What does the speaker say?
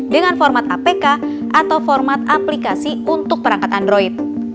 dengan format apk atau format aplikasi untuk perangkat android